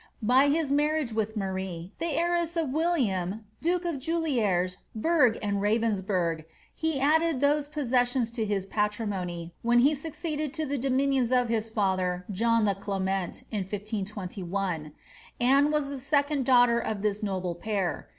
By his mar riage with Marie, the heiress of William duke of Juliers, Berg, and Ra vensbargh, he added those possessions to his patrimony, when he aocceeded to the dominions of his father, John the Clement, in 1521. Anne was the second daughter of this noble pair.